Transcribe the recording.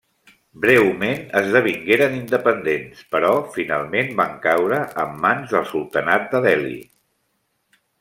Breument esdevingueren independents, però finalment van caure en mans del sultanat de Delhi.